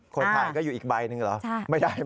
คนถ่ายก็อยู่อีกใบหนึ่งเหรอ